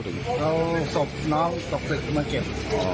เอาศพน้องตกตึกมาเก็บ